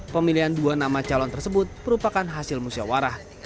pemilihan dua nama calon tersebut merupakan hasil musyawarah